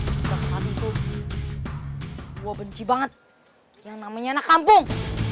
sejak saat itu dua benci banget yang namanya anak kampung